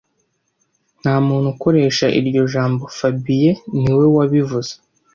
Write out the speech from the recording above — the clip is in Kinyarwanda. Ntamuntu ukoresha iryo jambo fabien niwe wabivuze